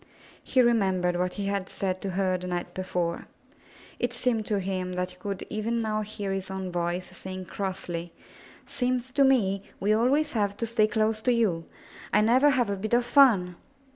He remembered what he had said to her the night be fore. It seemed to him that he could even now hear his own voice saying crossly, ''Seems to me we always have to stay close to you. I never have a bit of fun!"